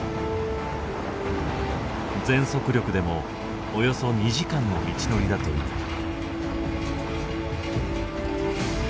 全速力でもおよそ２時間の道のりだという。